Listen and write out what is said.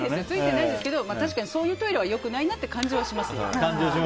ついていないですけど確かにそういうトイレはよくないなっていう感じはしますよ。